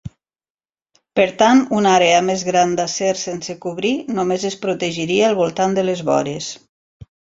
Per tant, una àrea més gran d'acer sense cobrir només es protegiria al voltant de les vores.